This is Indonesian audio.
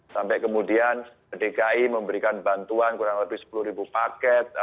sampai kemudian dki memberikan bantuan kurang lebih sepuluh paket